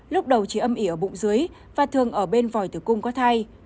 lúc đầu chỉ âm ỉ ở bụng dưới và thường ở bên voi từ cung có thai